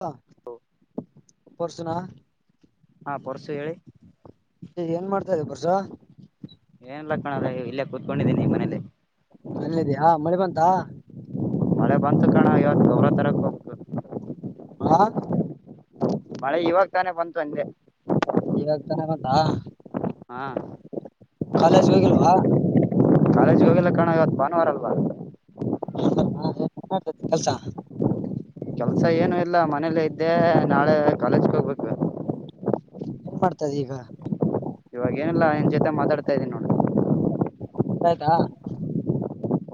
[unintelligible] ಪಸುನಾ ಹಾ ಪರ್ಸು ಹೇಳಿ ಏನ್ ಮಾಡ್ತಾದೆ ಬರ್ಷ ಏನಿಲ್ಲ ಇಲ್ಲೇ ಕೂತ್ಕೊಂಡಿದ್ದೀನಿ ಮನೇಲಿ ಮನಲಿ ಇದೆಯಾ ಮಳೆ ಬಂತ ಮಳೆ ಬಂತು ಕಣ ಇವತ್ತು ದ್ರ ತರ ಹೋಗಬೇಕು ಹ ಮಳೆ ಇವಾಗ ತಾನೇ ಬಂತು ಅಂದೆ ಇವಾಗ ಚಗತಾಯ್ ಹಾ ಹೋಗಿಲ್ವಾ ಕಾಲೇಜ್ ಹೋಗಲ್ಲ ಕಣೋ ಇವತ್ತು ಭಾನುವಾರ [unintelligible] ಹಾ ಮಾಡ್ತತಿ ಕೆಲ್ಸ ಕೆಲ್ಸ ಏನು ಇಲ್ಲ ಮನೇಲ್ಲ ಇದ್ದೆ ನಾಳೆ ಕಾಲೇಜ್ಗೆ ಹೋಗ್ಬೇಕು ಮಾಡರ್ತದೆ ಈಗ ಇವಾಗ ಏನಿಲ್ಲ ನಿನ್ ಜೊತೆ ಮಾತಾಡ್ತಾ ಇದೀನಿ ನೋಡು ಆಯ್ತಾ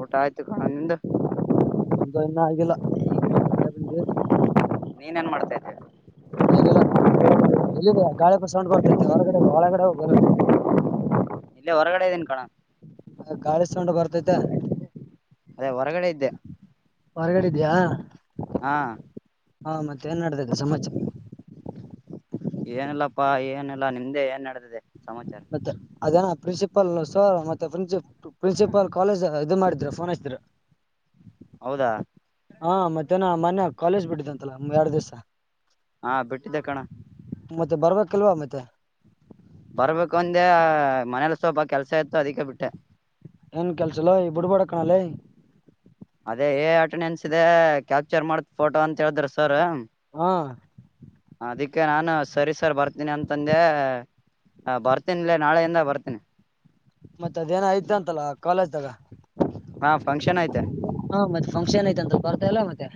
ಊಟ ಆಯ್ತು ಕಣ ನಿದ ಮುಂದು ಇನ್ನೂ ಆಗಿಲ್ಲ ಈಗ ಹೊರಗಡೆ ಬಂದೆ ನೀನ್ ಏನ್ ಮಾಡ್ತಾ ಇದ್ದೀರ ಏನಿಲ್ಲ ನಾನ್ ಹೊರಗಡೆ ಬಂದಿ ಎಲ್ಲಿದೆ ಗಾಪ ಸೌಂಡ್ ಬರ್ತೈತೆ ಹೊರಗಡೆ ಹೊರಳಗಡೆ ಹೋಗಲ್ಲ [unintelligible] ಇಲ್ಲಿ ಹೊರಗಡೆ ಇದ್ದೀನ್ ಕಣ ಗಾಳಿ ಸಕೊಂಡು ಬರ್ತೈತ ಅದೇ ಹೊರಗಡೆ ಇದ್ದೆ ಹೊರಗಡೆ ಇದ್ಯಾ ಹಾ ಹಾ ಮತ್ತೆ ಏನ್ ಮಾಡಡ್ತಾದ ಸಮಾಚಾರ ಏನಲ್ಲಪ್ಪಾ ಏನಲ್ಲಾ ನಿಮ್ದೆ ಏನ್ಡತ ಮತ್ತ ಅದನ ಪ್ರಿನ್ಸಿಪಾ ಸರ್ ಮತ್ತೆ ಪ್ರಿನ್ಸಿ ಪ್ರಿನ್ಸಿಪಾ ಕಾಲೇಜ ಇದು ಮಾಡಿದ್ರ ಫೋನ್ ಹಸ್ತರ ಹೌದಾ ಹಾ ಮತ್ತನ ಮೊನ್ಯ ಕಾಲೇಜ್ ಬಿಟ್ಟಿದ್ದಂತಲ್ಲ ಎರಡ್ ದಿವ್ಸ ಹಾ ಬಿಟ್ಟಿದ್ದ ಕಣ ಮತ್ತೆ ಬರ್ಬೇಕಲ್ವಾ ಮತ್ತೆ ಬರ್ಬೇಕು ಒಂದೆ ಮನೇಲಿ ಸ್ವಲ್ಪ ಕೆಲ್ಸ ಇತ್ತು ಅದಕ್ಕೆ ಬಿಟ್ಟೆ ಏನ್ ಕೆಲ್ಸಲ್ಲ ಈ ಬುಡಬಡ ಕನಾಲಿ ಅದೇ ಏ ಅಟೆಂಡೆನ್ಸ್ ಇದೆ ಕ್ಯಾಪ್ಚರ್ ಮಾಡತ್ ಫೋಟೋ ಅಂತ ಹೇಳಿದ್ರ ಸರ್ ಹ್ಮ ಕೆ ನಾನು ಸರಿ ಸರ್ ಬರ್ತೀನಿ ಅಂತಂದೆ ಹ ಬರ್ತೇನಿ ಇಲ್ಲ ನಾಳೆಯಿಂದ ಬರ್ತೇನಿ ಮತ್ತತ್ ಅದೇನ ಐ್ತ ಅಂತಲ್ಲ ಕಾಲೇಜ್ಗ ಹಾ ಫಂಕ್ಷನ್ ಐತೆ ಹಾ ಮತ್ತೆ ಫಂಕ್ಷನ್ ಐ್ತಂತ ಬರ್ತ ಇಲ್ಲ ಮತ್ತೆ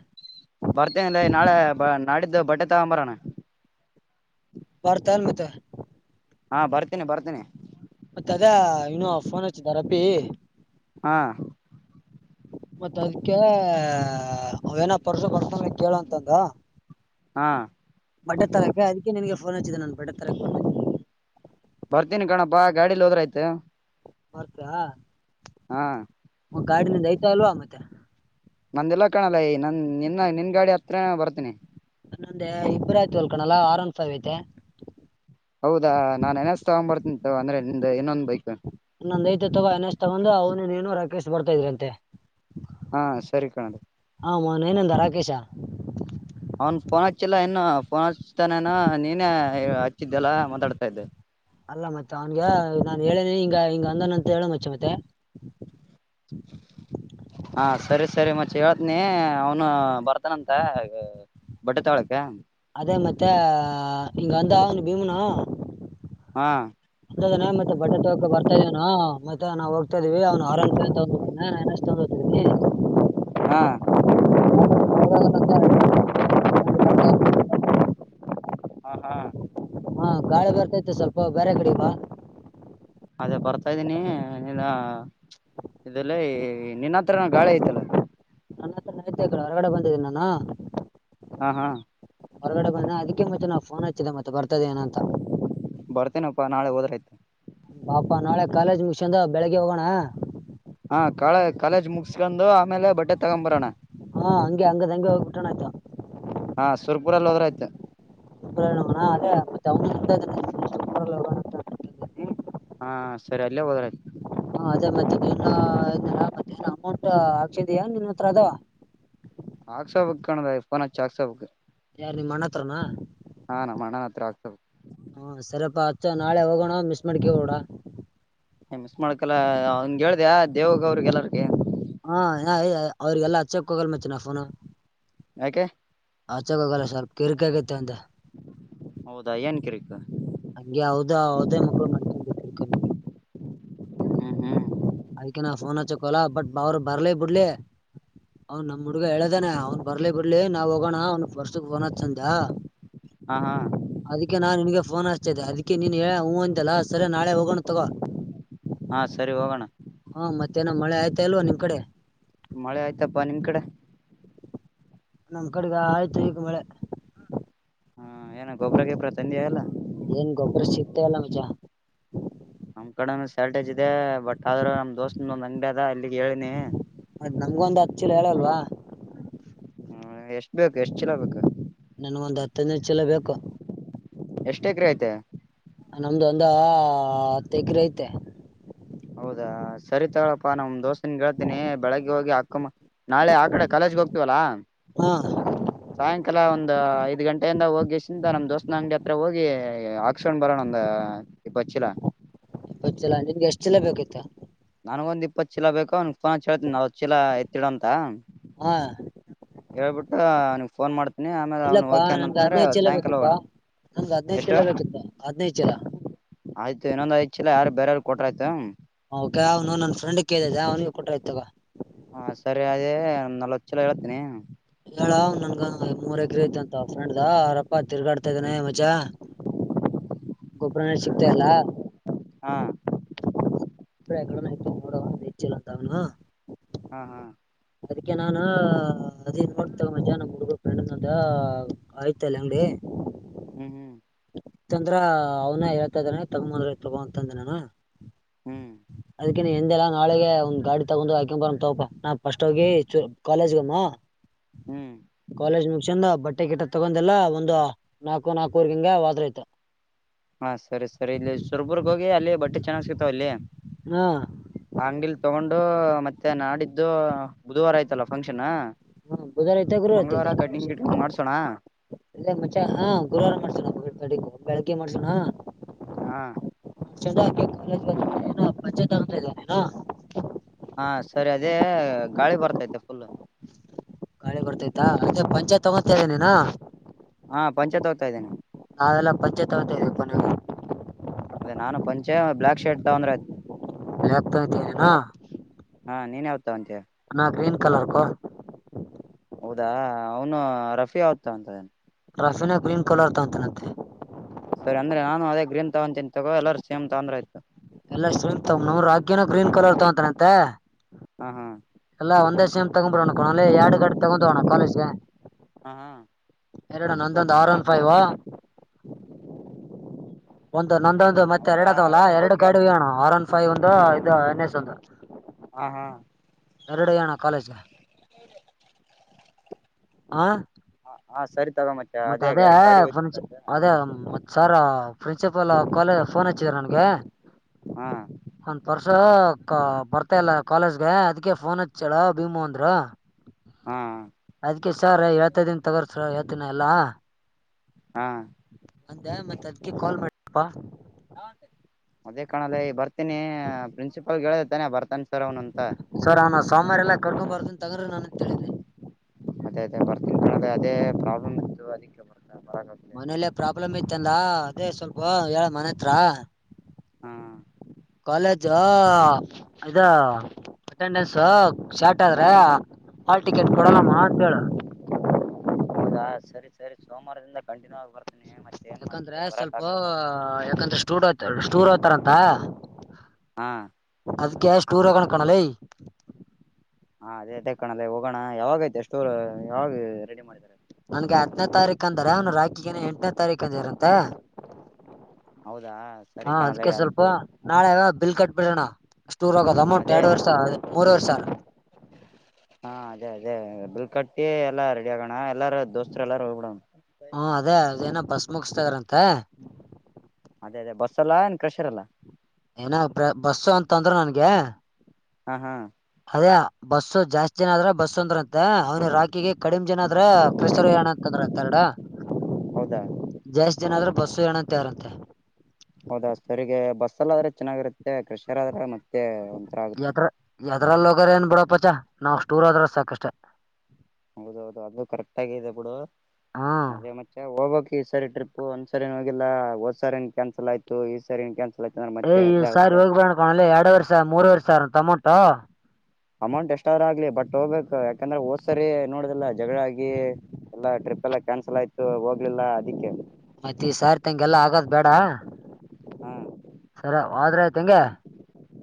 ಬರ್ತೇನಲ್ಲ ನಾಳೆ ಬ ನಾಡಿದ್ದು ಬಟ್ಟೆ ತಗೊಂಬರಾನ ಬರ್ತಲ್ಲ ಮತ್ತ ಹಾ ಬರ್ತೇನಿ ಬರ್ತೀನಿ ತದ ಇನ್ನುೂ ಫೋನ್ ಹಚ್ಚಿದಾರಪ್ಪಿ ಹಾ ಮತ್ತತ್ ಅದಕ್ಕೆ ಅವೇನ ಪರಶು ಪರ್ಷ ಕೇಳುವಂತಂದ ಹಾ ಬಟ್ಟೆ ತರಕ್ಕೆ ಅದಕ್ಕೆ ನನ್ಗೆ ಫೋನ್ ಹಚ್ಚಿದ್ದ ನಾನು ಬಟ್ಟೆ ತರಕ್ಕೆ ಬರ್ತಾನೆ ಬರ್ತೀನಿ ಕಣಪ್ಪಾ ಗಾಡಿಲಿ ಹೋದ್ರ ಆಯ್ತು ಬರ್ತ್ರಾ ಹಾ ಒ ಗಾಡಿನಿಂದ ಐತಾ ಅಲ್ವಾ ಮತ್ತೆ ನಂದಲ್ಲ ಕಾಣಲ್ಲ ಈ ನಂದ ನಿನ್ನ ನಿನ್ ಗಾಡಿ ಹತ್ರ ಬರ್ತೀನಿ ನನ್ನೊಂದೆ ಇಬ್ಬರ ಆಯ್ತು ಹೊಲ್ಕಣಲ್ಲ ಆರಾಮ್ ಸಾವಿ ಐತೆ ಹೌದಾ ನಾನ್ ಎೆನಸ್ ತಗೊಂಡ್ ಬರ್ತಿಂತ ಅಂದ್ರೆ ಇನ್ನೊಂದು ನಂದು ಐತೆ ತಗೋ ಅನೇಶ್ ತಗೊಂಡು ಅವನು ನು ರಾಕೇಶ್ ಬರ್ತಾ ಇದ್ರಂತೆ ಹಾ ಸರಿ ಕಣೋ ಹಮ ನಂದ ರಾಕೇಶಾ ಅವನ್ ಪೋನ ಚೆಲ್ಲ ಫೋನ್ ಹಚ್ತಾನೇನ ನೀನೇ ಹಚ್ಚಿದ್ದೆಲ್ಲ ಮಾತಾಡ್ತಾ ಇದ್ದೆ ಅಲ್ಲ ಮತ್ತೆ ಅವ್ನ್ಗ ನಾನನ್ ಹೇಳನಿ ಹಿಂಗ ಹಿಂಗ ಅಂದನ್ ಅಂತ ಹೇಳ ಮಚ್ಚೆ ಮತ್ತೆ ಹಾ ಸರಿ ಸರಿ ಮತ್ತೆ ಹೇಳ್ತನಿ ಅವನು ಬರ್ತಾನಂತ ಬಡ್ಟ್ ತಗಳಕ್ಕೆ ಅಮತ್ತೆ ಇಂಗ ಅಂದಾವ ಭೀಮನಾ ಹಾ ಅದಾನ ಮತ್ತೆ ಬಟ್ಟೆ ತಗಕ ಬರ್ತಾ ಇದೇನ ಮತ್ತ ನಾ ಹೋಗ್ತಾ ಇದೀವಿ ಅವ್ನು ಆರ ತಗತಾನ ಿ ಹ ನಾ ಬರ್ ಹಾ ಹಾ ಹಾ ಗಾಳಿ ಬರ್ತೈತ್ತು ಸ್ವಲ್ಪ ಬೇರೆ ಕಡೆ ಬಾ ಅದೇ ಬರ್ತಾ್ದೀನಿ ನೀ ಇದೆಲ್ಲ ನಿನ್ನ ಹತ್ರನ ಗಾಳಿ ಐತಲ್ಲ ನನ್ನ ಹತ್ರ ನೈತ್ಯಡೆ ಹೊರಗಡೆ ಬಂದಿದ್ದೀನಿ ನಾನ ಹಾ ಹಾ ಹೊರಗಡೆ ಬಾನ ಅದಕ್ಕೆ ಮತ್ತೆ ನಾವ್ ಫೋನ್ ಹಚ್ಚಿದೆ ಮತ್ತೆ ಬರ್ತದ ಏನಂತ ಾ ನಾಳೆ ಹೋದ್ರಾಯ್ತು ಪಾಪಾ ನಾಳೆ ಕಾಲೇಜ್ ಮುಗಂದ ಬೆಳಿಗ್ಗೆ ಹೋಗೋಣ ಹಾ ಕಳ ಕಾಲೇಜ್ ಮುಗಸ್ಕೊಂಡು ಆಮೇಲೆ ಬಟ್ಟೆ ತಗೊ್ ಬರೋಣ ಹಾ ಹಂಗೆ ಹಂಗದಂಗೆ ಹೋಗಿಬಿಟ್ಟೋಣ ಆಯ್ತಾ ಹಾ ಸುರ್ಪುರಲ್ಲಿ ಹೋದ್ರ ಆಯ್ತ ಮ್ಮ ಅದೇ ಮತ್ತೆ ಹಾ ಸರಿ ಅಲ್ಲೇ ಹೋದ್ರ ಹಾ ಅದೇ ಮದ ನ ಮಧ್ಯಾಹನ ಅಮೌಂಟ್ ಹಾಕ್ಸಿದಯ ನಿನ್ ಹತ್ರ ಅದಾವ ಆಕ್ಸಾಪಕ್ ಕಾಣದಪ್ಪನ ಚ ಆಕ್ಸಾಪಕ್ ಯಾರ್ ನಿಮ್ ಮಣ್ಣ ಹತ್ರನಾ ಹಾ ನಮ್ಮ ಅಣ್ಣ ಹತ್ರ ಆಗ್ತದೆ ಅ ನಾಳೆ ಹೋಗೋಣ ಮಿಸ್ ಮಾಡ್ಕ ಹೋಡ ಮಿಸ್ ಮಾಡಕಲ್ಲ ಅವನ್ಗೆ ಹೇಳ್ದಯ ದೇವ್ಗ ಅವ್ರಿಗೆ ಎಲ್ಲರ್ ಹಾ ಯ ಅವ್ರಿಗೆಲ್ಲ ಅಚ್ಚಕ್ ಹೋಗಲ್ ಮಚ್ಚನಾ ಫೋನ್ ಯಾಕೆ ಆಚಾಗ ಹೋಗಲ್ಲ ಸ್ವಲ್ಪ ಕಿರಿಕ ಆಗೈತೆ ಅಂತ ಹೌದಾ ಏನ್ ಕಿರಿಕ್ಕು ಹಂಗೆ ಹದ ಅವದೇ ಮಕ್ಳು ಮಾಡ್ಕೊಂಡ ಬಿರ್ಕ ನಂಗೆ ಹಾ ಅದ್ಕ ನಾ ಫೋನ್ ಹಚಕಲ ಬಟ್ ಅವರು ಬರ್ಲಿ ಬಿಡ್ಲಿ ಅವನ್ ನಮ್ ಹುಡ್ಗ ಹೇಳದಾನೆ ಅವ್ನ್ ಬರ್ಲಿ ಬರ್ಲಿ ನಾವ್ ಹೋಗೋಣ ಅವ್ನ್ ಫರ್ಸ್ಕ್ ೋನ್ತ್ಂದ ಹಾ ಹಾ ಅದಕ್ಕೆ ನಾನ್ ನಿನ್ಗೆ ಫೋನ್ ಹಸ್ತತೆ ಅದಿಕ್ಕೆ ನೀನ್ ಹೇಳ ಹೂ ಅಂತೆಲ್ಲ ಸರಿ ನಾಳೆ ಹೋಗ ಹಾ ಸರಿ ಹೋಗೋಣ ಹ್ಮ್ ಮತ್ತೇನ ಮಳೆ ಆಯ್ತಾ ಇಲ್ವಾ ನಿಮ್ ಕಡೆ ಮಳೆ ಆಯ್ತಪ್ಪಾ ನಿಮ್ ಕಡೆ ನಮ್ ಕಡೆಗೆ ಆಯ್ತು ಈಗ ಮಳೆ ಹ್ಮ ಹ್ಮ ಏನ ಗೊಬ್ರ ಗಿಬ್ರ ತಂದಿ ಎಲ್ಲ ಏನ್ ಗೊಬ್ಬರ ಸಿಗ್ತಾ ಇಲ್ಲ ಮಜ ನಮ ಕಡೆ ಶಾರ್ಟೇಜ್ ಇದೆ ಬಟ್ ಆದ್ರೂ ನಮ್ ದೋಸ್ತನೊಂದ್ ಅಂಗಡಿ ಅದ ಇಲ್ಲಿಗೆ ಹೇಳನಿ ಮತ್ ನಮ್ಗೊಂದ್ ಹತ್ ಚೀಲ ಹೇಳಲ್ವಾ ಹ್ಮ ಎಷ್ಟ ಬೇಕು ಎಷ್ಟ್ ಚೀಲ ಬೇಕು ನನ್ ಒಂದ್ ಹತ್ತ ಹದಿನೈದು ಚೀಲ ಬೇಕು ಎಷ್ಟ ಎಕರೆ ಐತೇ ನಮ್ದು ಒಂದ ಹತ್ತೆಗ್ರೇ ಐತೆ ಹೌದಾ ಸರಿತಗಳಪ್ಪಾ ನಮ ದೋಸ್ತ್ ಕೇಳ್ತೀನಿ ಬೆಳಗ್ಗೆ ಹೋಗಿ ಹಾಕ ನಾಳೆ ಆ ಕಡೆ ಕಾಲೇಜ್ಗೆ ಹೋಗ್ತೀವಲ್ಲಾ ಹಾ ಸಾಯಂಕಾಲ ಒಂದ್ ಐದ್ ಗಂಟೆಯಿಂದ ಹೋಗಿಸಿಂದ ನಮ್ ದೋಸ್ನ ಅಂಗಡಿ ಹತ್ರ ಹೋಗಿ ಆಕ್ಸಿನ್ ಬರೋ ನ ಒಂದ ಗೊತ್ತಿಲ್ಲ ನಿನ್ಗೆ ಎಷ್ಟ್ ಚೀಲ ಬೇಕಾಯತು ನನಗೊಂದು ಇಪ್ಪತ್ತು ಚೀಲ ಬೇಕೋ ಅವನ ಫೋ ಹೇಳ್ತಿನಿ ನಲವತ್ತು ಚೀಲ ಎತ್ತಿಡ ಅಂತ ಹಾ ಹೇಳ್ಬಿಟ್ಟು ಅವನಿಗೆ ಫೋನ್ ಮಾಡ್ತೀನಿ ಆಮೇಲೆ ಅವ್ನು ಓಕೆ ಅನಂತಂದ್ರೆ ಸಾಯಂಕಾಲ ಹೋಗೋಣ ನಂಗ್ ಹದನೈದ ಚೀಲ ಎಷ್ಟು ಬೇಕಿತ್ತ ಹದನೈದ ಚೀಲ ಆಯ್ತು ಇನ್ನೊಂದ ಐವತ್ತು ಚೀಲ ಯಾರು ಬೇರೆ ಯಾರ ಕೊಟ್ರ ಆಯ್ತು ಗ ಅವನು ನನ್ ಫ್ರೆಂಡ್ ಕೇಳ್ದಿದೆ ಅವನಗೆ ಕೊಟ್ರ ಆಯ್ತ ತಗೋ ಹಾ ಸರಿ ಅದೇ ನಲ್ವತ್ತು ಚೀಲ ಹೇಳ್ತೀನಿ ನನ್ಂಗ ಮೂರ್ ಎಕ್ರ ಐತ ಅಂತ ಫ್ರೆಂಡ್ದ ಆವರ ಅಪ್ಪ ತಿರ್ಗಾಡ್ತಾ ಇದಾನೆ ಮಚ ಗೊಬ್ಬರನೆ ಸಿಗ್ತ ಇಲ್ಲ ಹಾ ಕಡಿಮೆ ಆಯ್ತಾ ನೋಡ ಹೆಚ್ಚಿಲ್ಲ ಅಂತ ಅವನ ಹಾ ಹಾ ಅದಕ್ಕೆನಾನ ನ್ ನೋಡ್ತ ತಗಬಂದೆ ನಮ್ಮ್ ಹುಡುಗ ಫ್ರೆಂಡ್ ದ ಆಯ್ತ ಅಲ್ಲ ಅಂಗಡಿ ಹ್ಮ್ ಹ್ಮ್ ತಂದ್ರ ಅವನ ಹೇಳ್ತಾ ಇದಾನ ತಗೊಂದ್ರೆ ತಗೊಂತಂದ ನಾನ ಹ್ಮ್ ನಾಕ ಎಂದೆಲ್ಲಾ ನಾಳೆಗೆ ಒಂದ್ ಗಾಡಿ ತಗೊಂಡ್ ಆಕ ಬರ ತಗೋಪ ನಾ ಫಸ್ಟ್ ಹೋಗಿ ಕಾಲೇಜ್ಗಮ್ಮ ಹ್ಮ್ ಕಾಲೇಜ್ ಮುಗಿಸ್ಕಂಡು ಬಟ್ಟೆ ಗಿಟ್ಟ ತಗೊಂಡೆಲ್ಲ ಒಂದು ನಾಲ್ಕು ನಾಲ್ಕೂವರೆಗ ಹಿಂಗ ಹೊದ್ರಯ್ತು ಹಾ ಸರಿ ಸರಿ ಇಲ್ಲಿ ಸುರಪುರ ಹೋಗಿ ಅಲ್ಲಿ ಬಟ್ಟೆ ಚೆನ್ನಾಗ್ ಸಿಕ್ತಾವ ಅಲ್ಲಿ ಹಾ ಅಂಗಡಿಲಿ ತಗೊಂಡು ಮತ್ತೆ ನಾಡಿದ್ದು ಬುಧವಾರ ಆಯ್ತಲ್ಲ ಫಂಕ್ಷನ್ ಹ್ಮ ಬುದುವಾರೈತೆ ಗುರುವಾರತೆ ಮಂಗಳವಾರ ಕಟಿಂಗ್ ಆಪರೇಷನ್ ಗಿಟಿಂಗ್ ಮಾಡ್ಸೋಣ ಎಲ್ಲೇ ಮಚ್ಚ ಹಾ ಗುರುವಾರ ಮಾಡ್ಸಣ ಕಡೆಗ ಬೆಳಿಗ್ಗೆ ಮಾಡ್ಸೋಣ ಹ ಹಾ [unintelligible] ಪಂಚಾಯತ್ ಅವರ ಹತ್ರ ಇದಿಯಾ ನೀನು ಹಾ ಸರಿ ಅದೇ ಗಾಳಿ ಬರ್ತೈತೆ ಫುಲ್ ಗಾಳಿ ಬರ್ತಾ ಐತ ಪಂಚಾಯತ್ ತಗೋ ಅಂತ ಹೇಳಿದಿ ನೀನು ಹಾ ಪಂಚೆ ತಗೋತಾ ಇದ್ದೇನೆ ನಾವೆಲ್ಲ ಪಂಚೆ ತಗೊಂತ ಇದೀವಿ ಪಾ ನೀವು ಅದೇ ನಾನು ಪಂಚೆ ಬ್ಲಾಕ್ ಶರ್ಟ್ ತಗಂದ್ರೆ ಆಯ್ತು ಲಗ್ತತಿನಾ ಹಾ ನೀನ್ ಯಾವ್ದ್ ತಗೊಂತಿಯ ಅಣ್ಣ ಗ್ರೀನ್ ಕಲರ್ಕೋ ಅದಾ ಅವನು ರಫಿಯಾ ಯಾವಾಗ್ ತಗೋಂತಾ ಇದಾನೆ ರಫೀನಾ ಗ್ರೀನ್ ಕಲರ್ ತಂಗೊತಾನತ್ತೆ ಸರಿ ಅಂದ್ರೆ ನಾನ ಅದೇ ಗ್ರೀನ್ ತಗೋಂತಿನಿ ತಗೋ ಎಲ್ಲೂರ ಸೇಮ ತಗೊಂಡರ ಆಯತು ಎಲ್ಲ ಸ್ರ ತ ನ್ರ ರಾಗ್ಯನ ಗ್ರೀನ್ ಕಲರ ತಗೋಂತಾನ ಅಂತ ಹಾ ಹಾ ಎಲ್ಲಾ ಒಂದೇ ಸೇಮ್ ತಗೋ ಬಿಡೋಣ್ಣ ಕಣಲ್ಲಿ ಎರಡು ಗಾಡಿ ತಗೊಂಡವಣ್ಣ ಕಾಲೇಜ್ಗೆ ಹಾ ಹಾ ಎರಡ ನಂದೊಂದ ಆರ್ ಒನ್ ಫೈವಾ ಒಂದು ನಂದೊಂದು ಮತ್ತೆ ಹೌದಾ ಎರಡು ಅದವಲ್ಲ ಎರಡು ಓಕೆ ಗಾಡಿ ಒಯಾಣ ಆರ್ ಒನ್ ಫೈವ್ ಒಂದು ಇದು ಎನ್ ಎಸ್ ಒಂದು ಹಾ ಹಾ ಎರಡ ಒಯಣ ಕಾಲೇಜ್ಗೆ ಹೌದ ಹಾ ಹ ಹಾ ಸರಿ ತಗೋ ಮಚ್ಚಾ ಮತ್ತ ಅದೇ ಎರಡು ಗಾಡಿ ಒಯ್ದ್ಬಿಟ್ಟೈತೆ ಅದೇ ಮತ್ ಸರ್ ಪ್ರಿನ್ಸಿಪಾಲ್ ಕಾಲೇಜ್ ಫೋನ್ ಹಚ್ಚಿದರ ನನ್ಗೆ ಹಾ ನಮ್ಮ ಪರ್ಸು ಬರ್ತಾ ಇಲ್ಲ ಕಾಲೇಜ್ಗೆ ಅದ ಕೆ ಫೋನ್ ಹಚ್ಚಾಳ ಭೀಮೋ ಅಂದ್ರ ಹಾ ಅದ್ಕ್ಕೆ ಸಾರ್ ಎಳ್ತ ದನ್ ತಗೋರ್ಸರ್ ಹೇಳ್ತಿನ ಎಲ್ಲಾ ಹಾ ಅಂದೆ ಮತ್ತ ಅದ್ಕ ಕಾಲ್ ಮಾಡದಪ್ಪಾ ಅದೇ ಕಾಣಲೇ ಈ ಬರ್ತೀನಿ ಪ್ರಿನ್ಸಿಪಾಲ್ ಹೇಳದಿಯಾತಾನೆ ಬರ್ತಾನ ಸರ್ ಅವನ್ ಸೋಮಾರ ಎಲ್ಲಾ ಕರ್ಕೊ ಬರ್ತೀನಿ ತಗೋರಿ ಅಂತ ಹೇಳೀನಿ ಬರ್ತಿನೀ ತಗೋಳರಿ ಅದೇ ಪ್ರಾಬ್ಲಮ್ ಇತ್ತು ಅದಕ್ಕೆ ಬರ್ ಮನೇಲ್ಲೇ ಪ್ರಾಬ್ಲಮ್ ಇತ್ತಲಾ ಅದೇ ಸ್ವಲ್ಪ ಹೇಳ ಮನೆ ಹತ್ರ ಹ್ಮ ಜಾ ಇದಾ ಅಟೆಂಡೆನ್ಸ್ ಶಾರ್ಟ್ ಆದ್ರೆ ಹಾಲ್ ಟಿಕೆಟ್ ಕೊಡಲ್ಲಮ್ಮ ಅಂತ ಹೇಳ. ಸರಿ ಸರಿ ಸೋಮವಾರದಿಂದ ಕಂಟಿನ್ಯೂ ಆಗ್ ಯಾಕಂದ್ರೆ ಸ್ವಲ್ಪ ಯಾಕಂದ್ರೆ ಸ್ಟೂರ್ತ ಸ್ಟೂರ್ ಹೊತರಂತ ಹಾ [unintelligible] ಅದಕ್ಕೆ ಸ್ಟೂರ್ ಹೋಗರ್ ಕಣಲೆ. ಹಾ ಅದೇ ಅದ ಕಣಲೆ ಹೋಗೋಣ ಯಾವಾಗ ಐತೆ ಸ್ಟೂರ್ ಯಾವಾಗ ರೆಡಿ ಮಾಡಿದರೆ ನನ್ಗೆ ಹತ್ತನೇ ತಾರೀಕ ಅಂದಾರ ಅವನು ರಾಕಿಗೇನ ಎಂಟನೇ ತಾರೀಕ ಅಂದರಂತ [unintelligible] ಹೌದಾ ಸರಿ ಹಾ ಕಣಲೆ ಅದಕ್ಕೆ ಸ್ವಲ್ಪ ಆಯ್ತು ನಾಳೆ ಬಿಲ್ ಕಟ್ಬಿಡೋಣ. ಟೂರ್ ಆಗದು ಅಮೌಂಟ್ ಅದೇ ಎರಡು ವರ್ಷ ಮೂರು ವರಿಸ [unintelligible] ಹಾ ಅದೇ ಅದೇ ಬಿಲ್ ಕಟ್ಟಿ ಎಲ್ಲಾ ರೆಡಿ ಆಗೋಣ ಎಲ್ಲಾರ ದೋಸ್ತರು ಎಲ್ಲಾರೂ ಹೋಗ್ಬಿಡಣ. ಹಾ ಅದೇ ಅದೇನ ಬಸ್ ಮುಗಿಸ್ತದರಂತ ಅದೇ ಅದೇ ಬಸ್ ಅಲ್ಲಾ ಎನ್ ಕ್ರೆಷರ್ಲ್ಲ ಏನ ಬಸ್ಸ ಅಂತಂದರು ನನ್ಗೆ ಹಾ ಹಾ ಅದೇ ಬಸ್ಸ ಜಾಸ್ತಿ ಜನ ಆದ್ರೆ ಬಸ್ ಅಂದ್ರಂತ ಅವ್ನ ರಾಕಿಗೆ ಕಡಿಮ ಜನ ಆದ್ರ ಕ್ರೇಷರು ವಯನ ಅಂದ್ರಂತ ಎರಡ [unintelligible] ಹೌದಾ ಜಾಸ್ತಿ ಜನ ಆದ್ರ ಬಸ್ ವಯನ ಅಂತ ಎಲೆರಂತ. ಸಲ್ ಆದ್ರೆ ಚೆನ್ನಾಗಿರುತ್ತೆ ಕ್ರಷರ್ ಆದ್ರೆ ಮತ್ ಯದ್ರ ಯದ್ರಲ್ಲ ಹೋಗಾರ ಏನ್ ಬಿಡಪಚಾ ನಾವು ಸ್ಟೂರ್ ಹೋದ್ರ ಸಾಕಷ್ಟ. ಹೌದ ಹೌದು ಅದು ಕರೆಕ್ಟ್ ಆಗ ಇದೆ ಬಿಡು. ಹ್ಮ್ ಅದೇ ಮತ್ತೆ ಹೋಗ್ಬೇಕ್ ಈ ಸರಿ ಟ್ರಿಪ್ ಒಂದ್ಸರಿ ಓಗಿಲ್ಲ ಓಡ್ಸರಿ ಕ್ಯಾನ್ಸಲ್ ಆಯ್ತು ಈ ಸರಿ ಕ್ಯಾನ್ಸಲ್ ಆಯ್ತು ಅಂದ್ರೆ ಏ ಮತ್ತೆ ಈ ಅದೇ ಸಾರಿ ಆಗುತ್ತೆ ಹೋಗ್ ಬರಣಬಾಲೆ ಎರಡು ವರ್ಷ ಮೂರ್ವಾರಿ ಸಾವ್ರಾಂತ ಅಮ್ಮೌಂಟು ಅಮೌಂಟ್ ಎಷ್ಟಾದ್ರ ಆಗ್ಲಿ ಬಟ್ ಹೋಗ್ಬೇಕು ಯಾಕಂದ್ರೆ ಹೋದ್ಸರಿ ನೋಡುದಿಲ್ಲ ಜಗಳ ಆಗಿ ಎಲ್ಲ ಟ್ರಿ ಪೆಲ್ಲ ಕ್ಯಾನ್ಸಲ್ ಆಯ್ತು ಹೋಗ್ಲಿಲ್ಲಾ ಅದಕ್ಕೆ. ಮತ್ತೆ ಈ ಸಾರ್ತಂಗೆ ಎಲ್ಲಾ ಆಗಾದ ಬ್ಯಾಡ [unintelligible] ಹಾ ಸರಿ ವಾದ್ರಾ ಆಯ್ತ ಹೆಂಗೆ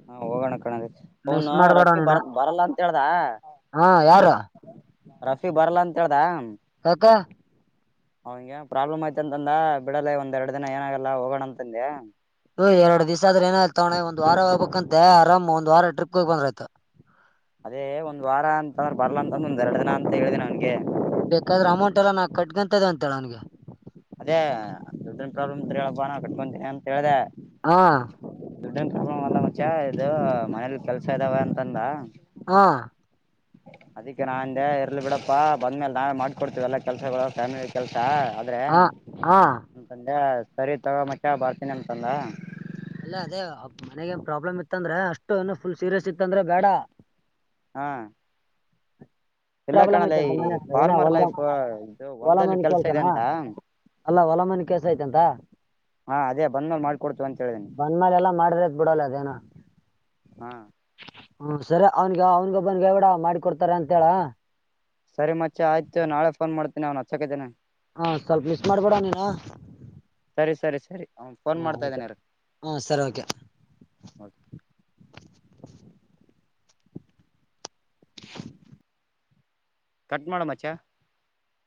ಹಾ ಹೋಗೋಣ ನಲೆ ಅವನು ಮಾಡ್ಬೇಡ ರಫಿ ನೀನು ಬರತ್ ಬರಲ್ಲ ಅಂತ ಹೇಳ್ದ ಹಾ ಯಾರು ರಫೀ ಬರಲ್ಲ ಅಂತ ಹೇಳ್ದ ಕಕಾ ಅವನ್ಗೆ ಎನ್ ಪ್ರಾಬ್ಲಮ್ ಆಯ್ತ ಅಂತಂದ ಬಿಡಲ್ಲ ಒಂದ್ ಎರಡು ದಿನ ಏನಾಗಲ್ಲ ಹೋಗೋಣ ಅಂತಂದೆ ಹ ಎರಡು ದಿಸಾ ಆದ್ರ ಏನಾಯಯ್ತವಣೆ ಒಂದ ವಾರ ಹೋಗ್ಬೇಕ್ ಅಂತ ಆರಾಮ್ ಒಂದ ವಾರ ಟ್ರಿಪ್ಗೆ ಹೋಗ ಬಂದ್ರ ಆಯ್ತು. ರ್ ಬರ್ಲ ಅಂತಂದ ಒಂದ್ ಎರಡ್ ದಿನ ಅಂತ ಹೇಳ್ದ ಅವ್ನಿಗೆ ಬೇಕಾದ್ರೆ ಅಮೌಂಟ್ ಎಲ್ಲ ನಾಕ್ ಕಟ್ಕೊಂತ್ದ ಅಂತೇಳ ಅವನ್ಗೆ ಡ್ ಪ್ರಾಬ್ಲಮ್ ಇದ್ರೆ ಹೇಳಪ್ಪ ನಾ ಕಟ್ಕಿಂತೀನಿ ಅಂತ ಹೇಳ್ದೆ ಹಾ ದುಡ್ಡನ್ ಏನ್ ಪ್ರಾಬ್ಲೆಮ್ ಅಲ್ಲ ಮುಚ ಇದು ಮನೇಲಿ ಕೆಲ್ಸ ಇದಾವ ಅಂತಂದ ಹಾ ಅದಿಕ್ಕೆ ನಾ ಅಂದೆ ಇರ್ಲ್ ಬಿಡಪ್ಪಾ ಬಂದ್ಮೇಲೆ ನಾವೆ ಮಾಡ್ಕೊಡ್ತೇವಲ್ಲಾ ಕೆಲ್ಸಗಳು ಫ್ಯಾಮಿಲಿ ಕೆಲ್ಸ ಆದ್ರೆ ಹಾ ಹಾ ಅ ತಂದೆ ಸರಿ ತಗೋ ಮಚ್ಚ ಬರ್ತೀನಿ ಅಂತಂದ ಅಲ್ಲೇ ಅದೇ ಮನೆಗ ನ್ ಪ್ರಾಬ್ಲಮ್ ಇತ್ತ ಅಂದ್ರೆ ಅಷ್ಟು ಏನು ಫುಲ್ ಸೀರಿಯಸ್ ಇತ್ತಂದ್ರೆ ಬೇಡ ಹಾ ಇಲ್ಲ ಪ್ರಾಬ್ಲಮ್ ಕಣಲ್ಲ ಐತೆಂತ ಈ ಮನೆ ಹತ್ರ ಏನ ಫಾರ್ಮರ್ ಹೋಲ್ಡಾಗ್ ಲೈಫ್ ಇದು ಹೊಲ್ದಲ್ಲಿ ಹೊಲಮನೀ ಕೆಲ್ಸ ಇದೆ ಕೆಲ್ಸನಾ ಅಂತ ಅಲ್ಲ ಹೊಲ ಮನೆ ಕೆಲ್ಸ ಐತಂತ ಹಾ ಅದೇ ಬಂದ್ಮೇಲೆ ಮಾಡ್ಕೊಡ್ತು ಅಂತ ಹೇಳಿದೀನಿ [unintelligible] ಬಂದ್ಮೇಲೆ ಎಲ್ಲ ಮಾಡಿದರೈತ್ ಬಿಡಲ ಅದೇನ ಹಾ ಹ್ಮ ಸರಿ ಅವ್ನ್ಗೆ ಅವನ್ಗ ಒಬ್ಬನ್ಗೆ ಹೇಳ್ಬೀಡು ಮಾಡಿ ಕೊಡ್ತಾರ ಅಂತ ಹೇಳ ಸರಿ ಮತ್ತೆ ಆಯ್ತು ನಾಳೆ ಫೋನ್ ಮಾಡ್ತೇನೆ ಅವ್ ಹಚ್ಚಕತೇನೆ ಹಾ ಸ್ವಲ್ಪ ಲಿಸ್ಟ್ ಮಾಡ್ಬಿಡ ನೀನು ಸರಿ ಸರಿ ಸರಿ ಫೋನ್ ಹ್ಮ್ ಓಕೆ ಮಾಡ್ತಾಯಿದ್ದಾನೆ ಇರು ಹ್ಮ್ ಸರಿ ಓಕೆ [inaudible] [inaudible] ಕಟ್ ಮಾಡ್ ಮಚ್ಚ